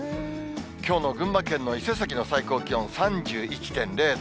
きょうの群馬県の伊勢崎の最高気温、３１．０度。